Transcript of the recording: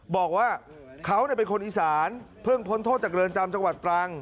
บอกว่าเขาเป็นคนอีสานเพิ่งพ้นโทษจากเรือนจำจังหวัดตรัง